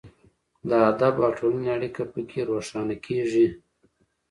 د ادب او ټولنې اړیکه پکې روښانه کیږي.